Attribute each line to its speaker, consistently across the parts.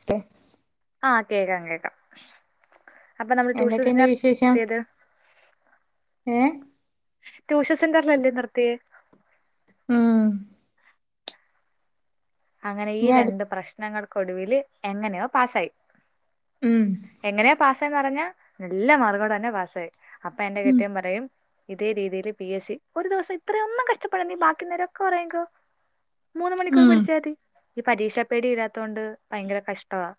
Speaker 1: [unintelligible]
Speaker 2: ആ കേക്കാം കേക്കാം. അപ്പൊ നമ്മള് ട്യൂഷൻ
Speaker 1: എന്തൊക്കെയുണ്ട്
Speaker 2: [unintelligible]
Speaker 1: വിശേഷം
Speaker 2: ത്തിയത്.
Speaker 1: ഏ
Speaker 2: ട്യൂഷൻ സെന്ററിലല്ലേ നിർത്തിയേ?
Speaker 1: ആ.
Speaker 2: അങ്ങനെ ഈ
Speaker 1: ഇനി അടു
Speaker 2: രണ്ട് പ്രശ്നങ്ങൾക്കൊടുവില് എങ്ങനെയോ പാസ്സായി.
Speaker 1: ഉം
Speaker 2: എങ്ങനെയാ പാസ്സായേന്ന് പറഞ്ഞാ നല്ല മാർക്കോടെതന്നെ പാസ്സായി. അപ്പ എന്റെ
Speaker 1: ഉം
Speaker 2: കെട്ടിയോൻ പറയും. ഇതേ രീതിയില് പി എസ് സി. ഒരു ദിവസം ഇത്രയൊന്നും കഷ്ടപ്പെടണ്ട ഈ ബാക്കി ള്ളനേരം ഒക്കെ ഒറങ്ങിക്കോ. മൂന്ന് മണിക്കൂർ
Speaker 1: ഉം
Speaker 2: പഠിച്ചാതി. ഈ പരീക്ഷാ പേടി ഇല്ലാത്തോണ്ട് ഭയങ്കര കഷ്ടവാ.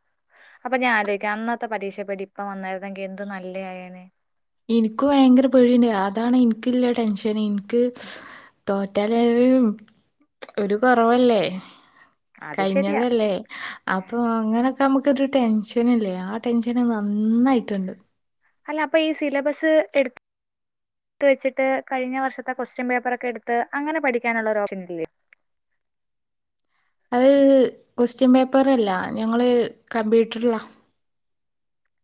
Speaker 2: അപ്പം ഞാൻ ആലോചിക്കാ. അന്നത്തെ പരീക്ഷ പേടി ഇപ്പം വന്നായിരുന്നെങ്കിൽ എന്തു നല്ലാ യാനേ.
Speaker 1: ഇൻക്കു വയങ്കര പേടിണ്ട്. അതാണ് ഇൻക്ക്ള്ള ടെൻഷന്. ഇൻക്ക്. തോറ്റാല്.... ഒരു കൊറവല്ലേ?
Speaker 2: അത് ശരിയാ
Speaker 1: കഴിഞ്ഞതല്ലേ? [unintelligible] അപ്പോ അങ്ങനൊക്കെ നമ്മക്കൊരു ടെൻഷനല്ലേ? ആ ടെൻഷന് നന്നാ... യിട്ടുണ്ട്.
Speaker 2: അല്ല. അപ്പ ഈ സിലബസ് എടു ടുത്ത് വെച്ചിട്ട് കഴിഞ്ഞ വർഷത്തെ കൊസ്റ്റ്യൻ പേപ്പറൊക്കെ എടുത്ത് അങ്ങനെ പഠിക്കാനുള്ള ഒരു ഓപ്ഷനില്ലേ?
Speaker 1: അത് ക്വസ്റ്റ്യൻ പേപ്പറ് അല്ല. ഞങ്ങള് കമ്പ്യൂട്ടറിലാ.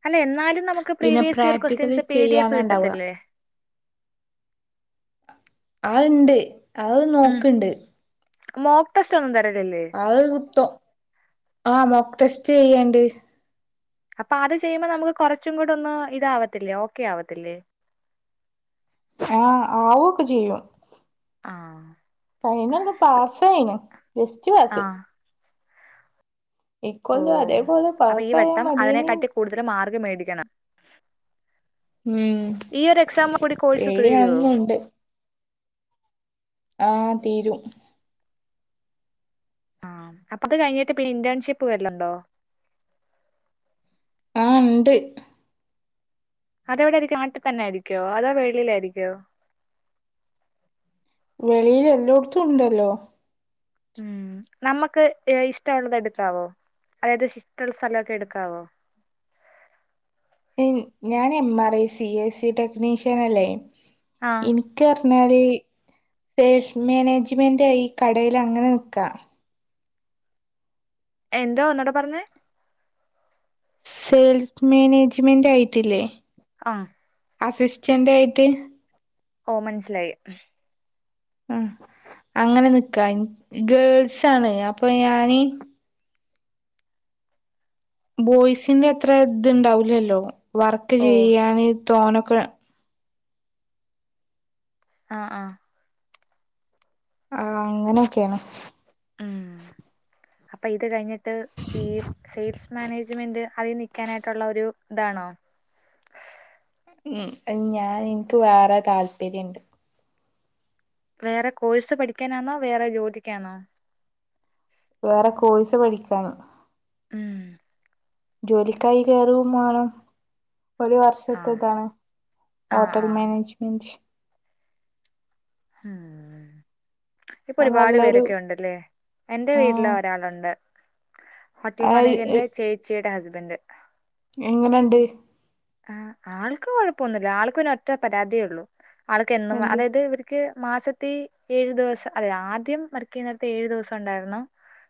Speaker 2: അല്ല. എന്നാലും നമുക്ക്
Speaker 1: പിന്നെ
Speaker 2: previous year
Speaker 1: practical
Speaker 2: questions P D F
Speaker 1: ചെയ്യാനുണ്ടാവുക
Speaker 2: കിട്ടത്തില്ലേ?
Speaker 1: അഅണ്ട്. അത് നോക്ക്ണ്ട്.
Speaker 2: മോപ്പ് സ [unintelligible] തരലല്ലേ?
Speaker 1: അത് ത്തും. ആ മോക്ക് ടെസ്റ്റ് ചെയ്യ്ണ്ട്.
Speaker 2: അപ്പ അത് ചെയ്യുമ്പോ നമുക്ക് കുറച്ചും കൂടെ ഒന്ന് ഇതാവത്തില്ലേ? ഓക്കെ ആവത്തില്ലേ?
Speaker 1: ആ. ആവൊക്കെ ചെയ്യും.
Speaker 2: ആ
Speaker 1: ഫൈനൽ പ്പ പാസായിണ്. ജസ്റ്റ്
Speaker 2: ആ
Speaker 1: പാസ്.
Speaker 2: ഓ
Speaker 1: ഇൻക്കൊന്ന് അതേപോലെ പാസായാ മതിയേനിന്ന്..
Speaker 2: കൂടുതല് മാർക്ക് മേടിക്കണം.
Speaker 1: ഉം
Speaker 2: ഈ ഒരു എക്സാം കൂടി കോഴ്സ് തീരോ?
Speaker 1: പേടിയാവുന്നുണ്ട് ആ തീരും.
Speaker 2: ആ. അപ്പൊ ത് കഴിഞ്ഞിട്ട് പി ന്റേൺഷിപ്പ് വരല്ണ്ടോ?
Speaker 1: ആ. ണ്ട്.
Speaker 2: അതെവിടെ ആയിരിക്കും? നാട്ടിൽ തന്നെ ആയിരിക്കുവോ? അതോ വെളിയില് ആയിരിക്കോ?
Speaker 1: വെളിയില് എല്ലോട്ത്തും ഉണ്ടല്ലോ.
Speaker 2: ഉം. നമ്മക്ക് ഇഷ്ടമുള്ളത് എടുക്കാവോ? അയായത് [unintelligible] ള്ള സ്ഥ ലൊക്കെ എടുക്കാവോ?
Speaker 1: [unintelligible] ഞാൻ M. R. I. C. S. C. Technician അല്ലേ?
Speaker 2: ആഹ്
Speaker 1: ഇൻ [unintelligible] ക്ക് റഞ്ഞാല് സെയിൽസ് മാനേജ്മെന്റായി കടേല് അങ്ങനെ നിക്കാ.
Speaker 2: എന്തോ ഒന്നുടെ പറഞ്ഞേ?
Speaker 1: സെയിൽസ് മേനേജ്മെന്റ് ആയിട്ടില്ലേ?
Speaker 2: ആ
Speaker 1: അസിസ്റ്റന്റ് ആയിട്ട്.
Speaker 2: ഓ മനസ്സിലായി.
Speaker 1: ആ. അങ്ങനെ നിക്കാ. [unintelligible] ഗേൾസ് ആണ് അപ്പൊ ഞാന്. ബോയ്സിന്റെ അത്ര, ത് ഉണ്ടാവുലല്ലോ. വർക്ക്
Speaker 2: ഓ
Speaker 1: ചെയ്യാന് തോനൊക്കെ.
Speaker 2: അ, ആ.
Speaker 1: അ ആ. അങ്ങനെയൊക്കെയാണ്.
Speaker 2: ഉം. അപ്പൊ ഇത് കഴിഞ്ഞിട്ട് ഈ സെയിൽസ് മാനേജ്മെന്റ് അതിൽ നിൽക്കാനായിട്ടുള്ള ഒരു താണോ?
Speaker 1: ഉം. അത് ഞാൻ ഇൻക്ക് വേറെ താല്പര്യണ്ട്.
Speaker 2: വേറെ കോഴ്സ് പഠിക്കാനാണോ? വേറെ ജോലിക്കാണോ?
Speaker 1: വേറെ കോഴ്സ് പഠിക്കാൻ.
Speaker 2: ഉം.
Speaker 1: ജോലിക്കായി കേറും മാണം ഒരു വർഷത്ത
Speaker 2: ആഹ്
Speaker 1: ഇതാണ്
Speaker 2: ആഹ്
Speaker 1: ഹോട്ടൽ
Speaker 2: ആഹ്
Speaker 1: മാനേജ്മെന്റ്
Speaker 2: ഉം ഇപ്പൊ
Speaker 1: അത്
Speaker 2: ഒരുപാട്
Speaker 1: നല്ലൊരു
Speaker 2: പേരൊക്കെ ഉണ്ട്ല്ലേ എന്റെ
Speaker 1: ആ
Speaker 2: വീട്ടില് ഒരാളുണ്ട് ഹോട്ടൽ
Speaker 1: അത്
Speaker 2: മാനേജ്മെന്റെ ചേച്ചിയുടെ ഹസ്ബൻഡ്
Speaker 1: എങ്ങനെണ്ട്
Speaker 2: ആഹ് ആൾക്ക് കൊഴപ്പൊന്നുല്ല ആൾക്ക് ഒരറ്റ പരാതിയേള്ളു ആൾക്ക് എന്നും
Speaker 1: എന്ത്
Speaker 2: അതായത് ഇവര് ക്ക് മാസത്തി ഏഴു ദിവസം അതെ ആദ്യം വർക്ക് ചെയ്യുന്നേട്ത്ത് ഏഴു ദിവസം ഉണ്ടായിരുന്നു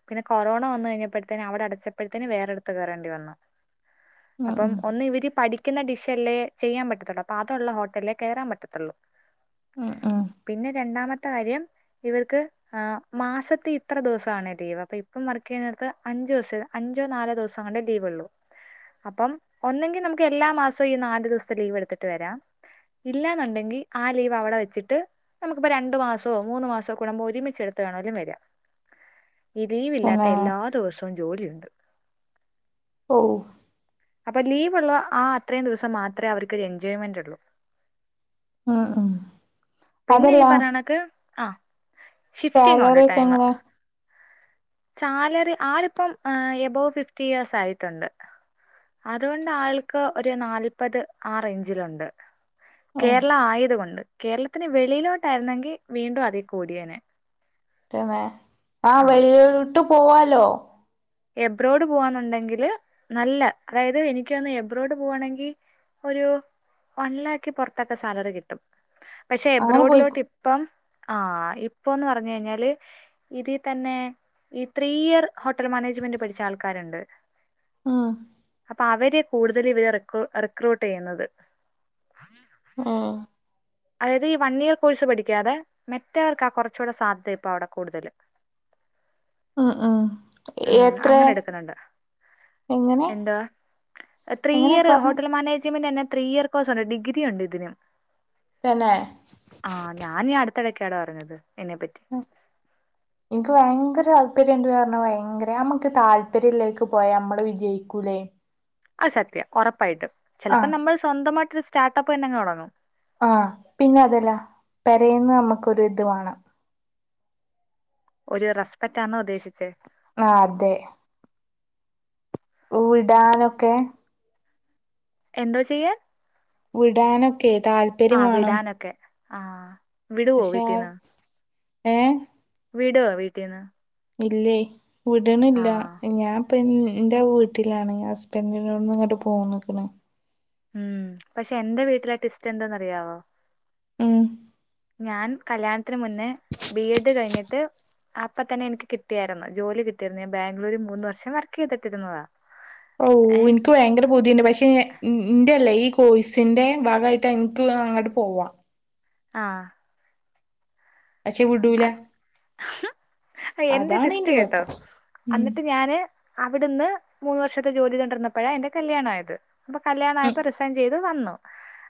Speaker 2: പിന്നെ കൊറോണ വന്ന് കഴിഞ്ഞപ്പോഴത്തേും അവിടെ അടച്ചപ്പോഴെത്തേനു വേറെ അടുത്ത് കേറേണ്ടി വന്നു.
Speaker 1: ഉം
Speaker 2: അപ്പം
Speaker 1: ഉം
Speaker 2: ഒന്ന് ഇവര് പടി ക്കുന്ന ഡിഷല്ലേ ചെയ്യാൻ പറ്റത്തുള്ളൂ അപ്പൊ അതുള്ള ഹോട്ടലിലേ കയറൻ പറ്റത്തുള്ളൂ
Speaker 1: ഉം ഉം
Speaker 2: പിന്നെ രണ്ടാമത്തെ കാര്യം ഇവർക്ക് ആഹ് മാസത്തി ഇത്ര ദിവസണ് ലീവ് അപ്പൊ ഇപ്പം വർക്ക് ചെയ്യുന്നിടുത്ത് അഞ്ചുസ അഞ്ചോ നാലോ ദിവസം കൊണ്ട് ലീവ് ഒള്ളൂ അപ്പം ഒന്നെങ്കിൽ നമുക്ക് എ എല്ലാ മാസവും ഈ നാല് ദിവസത്തെ ലീവ് എടുത്തിട്ട് വരാം ഇല്ലാന്നുണ്ടെങ്കി ആഹ് ലീവ് അവിടെ വെച്ചിട്ട് നമുക്കിപ്പോ രണ്ടു മാസോ മൂന്ന് മാസോ കൂടെമ്പോ ഒരുമിച്ച് എടുത്തിട്ട് വേണേലും വരാ ഇ ലീവില്ലാത്ത
Speaker 1: പിന്നെ
Speaker 2: എല്ലാ ദിവസവും ജോലിയുണ്ട്
Speaker 1: ഓ
Speaker 2: അപ്പൊ ലീവ് ഉള്ള ആഹ് അത്രയും ദിവസം മാത്രമേ അവർക്കൊരു എന്ജോയ്മെന്റ് ഉള്ളൂ
Speaker 1: ഉം ഉം
Speaker 2: പിന്നെ ഈ
Speaker 1: അതല്ല
Speaker 2: പറയണക് ആഹ്
Speaker 1: സാലറി ഒക്കെ എങ്ങനെ
Speaker 2: സാലറി ആള് ഇപ്പം എബോവ് ഫിഫ്റ്റി ഇയേഴ്സ് ആയിട്ടുണ്ട് അതുകൊണ്ട് ആൾ ക് ഒരു നാല്പത് ആഹ് റേഞ്ചിലുണ്ട്
Speaker 1: ഏ
Speaker 2: കേരള ആയത് കൊണ്ട് കേരളത്തിന് വെളിയിലോട്ട് ആയിരുന്നെങ്കിൽ വീണ്ടും അതിൽ കൂടിയേനെ
Speaker 1: ക്കുന്നെ ആഹ്
Speaker 2: ആ
Speaker 1: വെളിയിലോട്ട് പോവാലോ
Speaker 2: എബ്രോഡ് പോവാന്നുണ്ടെങ്കില് നല്ല അതായത് എനിക്ക് വന്ന് എബ്രോഡ് പോവാണെങ്കി ഒരു വൺ ലാക്ക് പുറത്തൊക്കെ സാലറി കിട്ടും. പക്ഷെ
Speaker 1: അങ്ങനെ പോയി
Speaker 2: എബ്രോഡിലോട്ട് പ്പം ആഹ് ഇപ്പൊന്ന് പറഞ്ഞ് കഴിഞ്ഞാല് ഇതി തന്നെ ഈ ത്രീ ഇയർ ഹോട്ടൽ മാനേജ്മെന്റ് പഠിച്ച ആൾക്കാരുണ്ട്
Speaker 1: ആഹ്
Speaker 2: അപ്പ അവര് കൂടുതൽ ഇവരെ റി റിക്രൂട്ട് ചെയ്യുന്നത്
Speaker 1: ഏഹ്
Speaker 2: അതായത് ഈ വൺ ഇയർ കോഴ്സ് പഠിക്കാതെ മറ്റേൾക്ക ആഹ് കുറച്ചൂടെ സാധ്യത ഇപ്പ അവിടെ കൂടുതല് [inaudible]
Speaker 1: അ ആഹ്
Speaker 2: ഉം
Speaker 1: എത്ര എങ്ങനെ
Speaker 2: എന്താ ത്രീ
Speaker 1: എങ്ങനെ
Speaker 2: ഇയർ
Speaker 1: പറഞ്ഞു
Speaker 2: ഹോട്ടൽ മാനേജ്മെന്റ് തന്നെ ത്രീ ഇയർ [unintelligible] ഡിഗ്രി ഉണ്ട് ഇതിനും
Speaker 1: തന്നെ
Speaker 2: ആഹ് ഞാനീ അടുത്തിടക്കാടോ അറിഞ്ഞത് ഇതിനെ പറ്റി
Speaker 1: ഇൻക്ക് ഭയങ്കര താല്പര്യമുണ്ട് പറഞ്ഞാ ഭയങ്കര നമുക്ക് താല്പര്യള്ളതിലേക്ക് പോയാ നമ്മള് വിജയിക്കൂലേ
Speaker 2: അത് സത്യ ഉറപ്പായിട്ടും
Speaker 1: ആഹ്
Speaker 2: ചിലപ്പോം നമ്മൾ സ്വന്തമായിട്ടോരു സ്റ്റാർട്ടപ്പ് തന്നെങ് തുടങ്ങും
Speaker 1: ആഹ് പിന്നെ അതെല്ല പേരെന്നു നമ്മുക്കൊരു ഇത് വാണം
Speaker 2: ഒരു റെസ്പെക്റ്റാന്നോ ഉദ്ദേശിച്ചെ
Speaker 1: ആ അതെ ഇടാനൊക്കെ
Speaker 2: എന്തോ ചെയ്യാൻ
Speaker 1: വിടാനൊക്കെ താല്പര്യം
Speaker 2: ആഹ വിടാനൊക്കെ ആഹ.
Speaker 1: ക്ഷെ ഏഹ്
Speaker 2: വിടോ വീട്ടീന്ന്
Speaker 1: ഇല്ലേ വിട്ണില്ല
Speaker 2: ആഹ്
Speaker 1: ഞാൻ. അപ്പ എ്റെ വീട്ടിലാണ് ഹസ്ബൻഡിനോട്ന്ന് ഇങ്ങോട്ട് പോന്നുക്ണ്
Speaker 2: ഉം പക്ഷെ എന്റെ വീട്ടിലെ ടിസ്റ്റ് എന്തെന്ന് അറിയാവോ
Speaker 1: ഉം
Speaker 2: ഞാൻ കല്യാണത്തിന് മുന്നേ ബി എഡ് കഴിഞ്ഞിട്ട്. അപ്പൊ തന്നെനിക്ക് കിട്ടിയായിരുന്നു ജോലി കിട്ടിയിരുന്നു ഞാൻ ബാംഗ്ലൂര് മൂന്ന് വർഷം വർക്ക് ചെയ്തിട്ടിരുന്നതാ.
Speaker 1: ഔ
Speaker 2: ഏഹ്
Speaker 1: ഇനിക് ഭയങ്കര പൂതിണ്ട് പക്ഷെ ന്റെല്ലേ ഈ കോഴസിന്റെ ഭാഗമായിട്ട് എനിക്ക്ള്ള അങ്ങോട്ട് പോവാം
Speaker 2: ആഹ
Speaker 1: പക്ഷെ വിടൂല.
Speaker 2: ആ എന്റെ
Speaker 1: അതാണ്
Speaker 2: ടിസ്റ്റ് കേട്ടോ
Speaker 1: കുഴപ്പം ഉം
Speaker 2: എന്നിട്ട് ഞാന്. അവിടെന്ന് മൂന്ന് വർഷത്തെ ജോലി ചെയ്തോണ്ടിരുപ്പോഴാണ് എന്റെ കല്യാണയത് അപ്പൊ
Speaker 1: ഉം
Speaker 2: കല്യാണയപ്പോ റിസൈൻ ചെയ്ത്. അത് വന്നു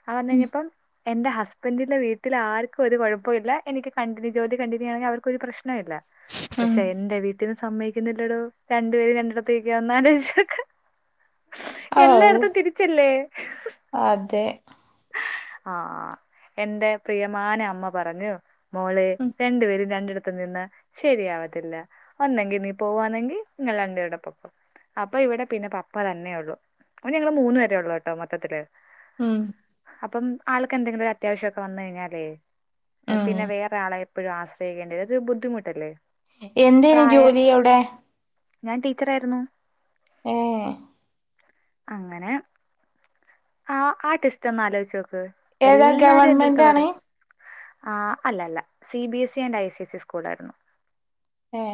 Speaker 2: അത്
Speaker 1: ഉം
Speaker 2: വന്നെഴിഞ്ഞപ്പം എന്റെ ഹസ്ബന്റിന്റെ വീട്ടിൽ ആർക്കും ഒരു കുഴപ്പല്ല എനിക്ക് കണ്ടിന്യൂ. ജോലി കണ്ടിന്യൂ യ്യുവന്നെ അവർക്കൊ ഒരു പ്രശ്നവില്ല
Speaker 1: ഉം
Speaker 2: പക്ഷെ എന്റെവീട്ടി ഇത് സമ്മതിക്കുന്നില്ലടോ രണ്ടു പേര് രണ്ടിടത്ത് നിക്ക ഒന്നാലോയ്ച്ചോക്ക്
Speaker 1: ഓ
Speaker 2: എല്ലായിടത്തും തിരിച്ചല്ലേ
Speaker 1: അതെ
Speaker 2: ആ എന്റെ പ്രിയമാന അമ്മ പറഞ്ഞു മോളെ
Speaker 1: ഉം
Speaker 2: രണ്ടുപേരും രണ്ടിടത്ത് നിന്നാ ശരിയാവത്തില്ല. ഒന്നെങ്കി നീ പോവവാണെങ്കി നിങ്ങ രണ്ട് പേരൂടെ പൊക്കൊ അപ്പ ഇവിടെ പിന്നെ പപ്പ തന്നെ ഉള്ളൂ അ ഞങ്ങള് മൂന്ന് പേരെ ഉള്ളു കേട്ടോ മൊത്തത്തില്.
Speaker 1: ഉം
Speaker 2: അപ്പം ആൾക്ക് എന്തെങ്കിലും ഒരു അത്യാവശ്യംഒക്കെ വന്ന് കഴിഞ്ഞാലേ
Speaker 1: ഉം
Speaker 2: പിന്നെ വേറെ ആളെ. എപ്പോഴും ആശ്രയിക്കേണ്ടത് അത ഒരു ബുദ്ധിമുട്ടല്ലേ.
Speaker 1: എന്തേനി
Speaker 2: പ്രായ
Speaker 1: ജോലി അവിടെ.
Speaker 2: ഞാൻ ടീച്ചർ ആയിരുന്നു
Speaker 1: ഹേ.
Speaker 2: അങ്ങനെ ആ ആ ട്വിസ്റ്റ് ഒന്ന് ആലോചിച്ച് നോക്ക്
Speaker 1: ഏതാ
Speaker 2: എല്ലാരും എന്റെ അടുത്ത്
Speaker 1: ഗവൺമെന്റ്
Speaker 2: പറ.
Speaker 1: ആണ്
Speaker 2: ആ് അല്ലല്ല C B S E and I C S E school ആയിരുന്നു.
Speaker 1: ഏ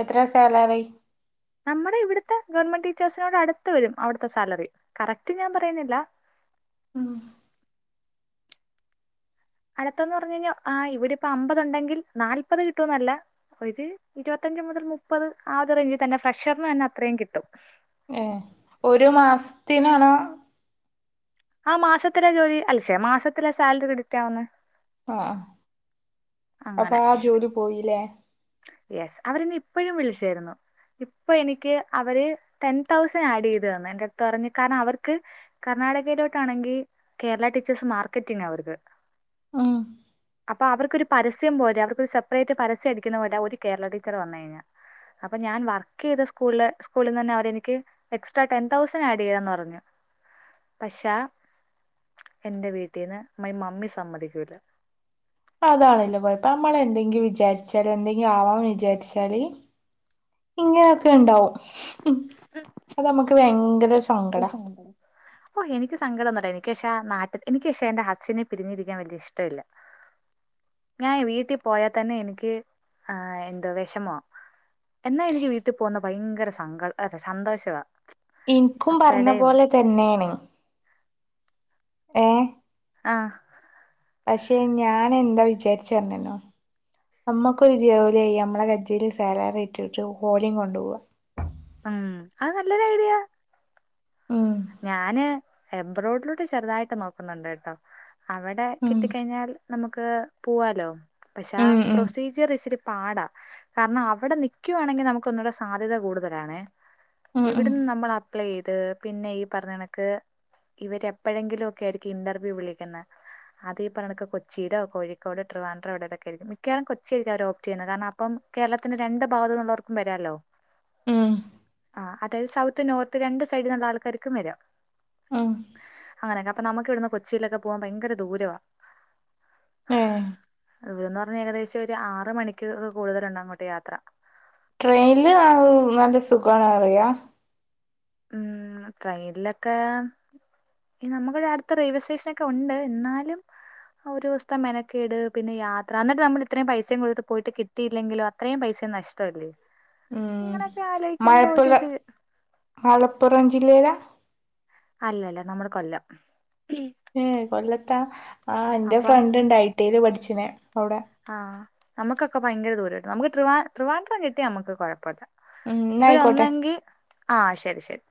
Speaker 1: എത്ര സാലറി.
Speaker 2: നമ്മുടെ ഇവിടുത്തെ ഗവൺമെന്റ് ടീച്ചേഴ്സിനോട് അടുത്ത് വരും അവിടുത്തെ സാലറി കറക്റ്റ് ഞാൻ പറയുന്നില്ല.
Speaker 1: ഉം
Speaker 2: അടുത്തന്ന് പറഞ്ഞു കഴിഞ്ഞാൽ ആ് ഇവിടെപ്പൊ അമ്പത് ഉണ്ടെങ്കിൽ നാല്പത് കിട്ടൂന്നല്ല. ഒരു ഇരുപത്തഞ്ച് മുതൽ മുപ്പത് ആ റേഞ്ച് തന്നെ ഫ്രഷറിന് തന്നെ അത്രയും കിട്ടും
Speaker 1: ഏ ഒരു മാസ്ത്തിനാണോ
Speaker 2: ആ മാസത്തിലെ ജോലി അല്ലശെ മാസത്തിലെ സാലറി ക്രെടിറ്റ് ആകുന്നെ
Speaker 1: ആഹ് അപ്പൊ
Speaker 2: അങ്ങനെ
Speaker 1: ആ ജോലി പോയില്ലേ
Speaker 2: യെസ് അവരന്ന് ഇപ്പോഴും വിളിച്ചായിരുന്നു. ഇപ്പൊ എനിക്ക് അവര് ടെൻ തൗസൻഡ് ആഡ് ചെയ്ത് തന്നു. എന്റെ എടുത്ത് പറഞ്ഞ് കാരണം അവർക്ക്. കർണ്ണാടകയിലോട്ടാണെങ്കി കേരള ടീച്ചേഴസ് മാർക്കറ്റിംഗ് ആ അവർക്ക്.
Speaker 1: ഉം
Speaker 2: അപ്പൊ അവർക്കൊരു പരസ്യം പോലെ അവർക്കൊരു സപ്പറേറ്റ് പരസ്യം.. പോലെ ഒരു കേരള ടീച്ചർ വന്ന് കഴിഞ്ഞാൽ അപ്പൊ ഞാൻ വർക്ക് ചെയ്ത സ്കൂളിൽ സ്കൂളിന്ന് തന്നെ അവര് എനിക്ക്. എക്സ്ട്രാ ടെൻ തൗസൻറ് ആഡ് ചെയ്യാന്ന് പറഞ്ഞു. പക്ഷ എൻ്റെ വീട്ടീന്ന് മൈ മമ്മി സമ്മതിക്കൂല
Speaker 1: അതാണൻ്റെ കുഴപ്പ നമ്മളെന്തെങ്കിലും വിചാരിച്ചാല്എന്തെങ്കിലും ആവാന്ന് വിചാരിച്ചാല് ഇങ്ങനൊക്കെ ഇണ്ടാവും അതമ്മക്ക് ഭയങ്കര സങ്കട
Speaker 2: [unintelligible] ഓ എനിക്ക് സങ്കടൊന്നില്ല എനിക്ക് പശേ ആ നാട്ട എക്ക്ഷേ എന്റെ ഹസിനെ പിരിഞ്ഞിയിരിക്കൻ വലിയ ഇഷ്ടില്ല ഞാൻ വീട്ടിൽ പോയാൽ തന്നെ എനിക്ക് ആഹ് എന്തോ വെഷമ എന്നാ എനിക്ക് വീട്ടിൽ പോകുന്ന ഭയങ്കര സങ്കട അ സന്തോഷവാ
Speaker 1: ഇൻക്കും പറഞ്ഞ
Speaker 2: അപ്പടേയും
Speaker 1: പോലെ തന്നെണ് ഏഹ്
Speaker 2: ആഹ്
Speaker 1: പക്ഷെ ഞാൻ എന്താ വിചാരിച്ചർഞ്ഞര്നോ നമ്മുക്കൊരു ജോലിയ്യ നമ്മളെ കജ്ജില് സാലറി കിട്ടിട്ട് ഓലിം കൊണ്ടോവാ
Speaker 2: ഉം അത് നല്ലൊരു ഐഡിയ
Speaker 1: ഉം
Speaker 2: ഞാന് എംബ്രോഡിലോട്ട് ചെറുതായിട്ട് നോക്കുന്നുണ്ട് കേട്ടോ അവിടെ
Speaker 1: ഉം
Speaker 2: കിട്ടിക്കഴിഞ്ഞാൽ നമുക്ക് പോവാലോ പശേ
Speaker 1: ഉം ഉം
Speaker 2: പ്രൊസീജ ർ ഇച്ചിരി പാടാ കാരണം അവിടെ നിക്കുവാണെങ്കിൽ നമുക്ക് ഒന്നൂടെ സാധ്യത കൂടുതലാണേ
Speaker 1: ഉം
Speaker 2: ഇവിടന്ന് നമ്മൾ അപ്ലൈയ്ത് പിന്നെ ഈ പറഞ്ഞണക്ക് ഇവര് എപ്പോഴെങ്കിലുക്കെ ആയിരിക്കും ഇന്റർവ്യൂ വിളിക്കുന്ന അത് ഈ പറേണക്ക് കൊച്ചിലോ കോഴിക്കൊടോ ട്രിവാൻഡ്രം എവിടേടെക്കായിരിക്കും മിക്കവാറും കൊച്ചി ആയിരിക്കും അവര് ഓപ്റ്റെയുന്നെ കാരണം അ ഇപ്പം കേരളത്തിന്റെ രണ്ട് ഭാഗത്തുള്ളവർക്കും വരാല്ലോ
Speaker 1: ഉം
Speaker 2: ആ അത് സൗത്ത്, നോർത്ത് രണ്ട് സൈഡിലുള്ള ആൾക്കാർക്കും വരാം.
Speaker 1: ഉം
Speaker 2: [unintelligible] നമ്മക്ക് ഇവ്ട്ന്ന് കൊച്ചിയിലെക്കെ പോവാൻ പയങ്കര ദൂരവാ.
Speaker 1: ഏ
Speaker 2: [unintelligible] പറഞ്ഞ ഏകദേശം ഒര് ആറ് മണിക്കൂർ കൂടുതലുണ്ട് അങ്ങോട്ട് യാത്ര
Speaker 1: ട്രെയിൻല് ന നല്ല സുഖാണറിയാം
Speaker 2: ഉം ട്രെയിനിലൊക്കെ നമ്മക്ക് ഇവടെ അടുത്ത റെയിൽവേ സ്റ്റേഷന് ഒക്കെ ഉണ്ട് ന്നാലും ഒരു ദിവസത്തെ മെനക്കേട് പിന്നെ യാത്ര എന്നിട്ട് നമ്മൾ ഇത്രയും പൈസയും കൊടുത്ത് പോയിട്ട് കിട്ട ട്ടിയില്ലെങ്കിലോ അത്രയും പൈസ നഷ്ടമല്ലേ
Speaker 1: ഉം
Speaker 2: അങ്ങനെയൊക്കെ ആലോചിക്കുമ്പോ
Speaker 1: മലപ്പുഴ
Speaker 2: ഒരിത്
Speaker 1: മലപ്പുറം ജില്ലയിലാ
Speaker 2: അല്ല അല്ല നമ്മള് കൊല്ലം
Speaker 1: ഏ കൊല്ലത്താ ആ എൻ്റെ
Speaker 2: അപ്പം
Speaker 1: ഫ്രണ്ടിണ്ട് ഐ ടിൽ പഠികനേ അവിടെ
Speaker 2: ആഹ് നമുക്കെക്കെ ഭയരങ്ക ദൂരം കിട്ട നമുക്ക് ട്രിവാൻ ട്രിവാൻഡ്രം കിട്ടിയ നമുക്ക് കുഴപ്പമില്ല
Speaker 1: ഉം ന്നാ ആയിക്കോട്ടെ
Speaker 2: ഇവരൊന്നെങ്കിൽ ആ ശരി ശരി